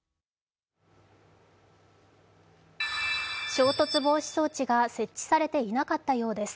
衝突防止装置が設置されていなかったようです。